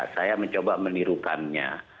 saya mencoba menirukannya